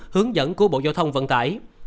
hướng dẫn của bộ giao thông vận tải